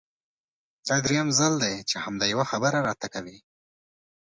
دا درېيم ځل دی چې همدا يوه خبره راته کوې!